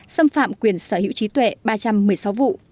xâm phạm quyền sở hữu trí tuệ ba trăm một mươi sáu vụ